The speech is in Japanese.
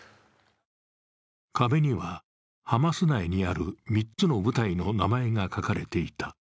壁には、ハマス内にある３つの部隊の名前が書かれていた。